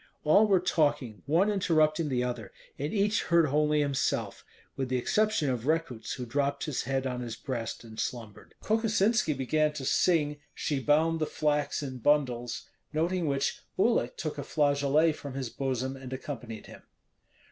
All were talking, one interrupting the other; and each heard only himself, with the exception of Rekuts, who dropped his head on his breast and slumbered. Kokosinski began to sing, "She bound the flax in bundles," noting which Uhlik took a flageolet from his bosom and accompanied him.